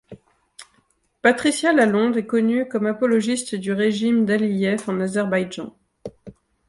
Patricia Lalonde est connue comme apologiste du régime d'Aliyev en Azerbaïdjan.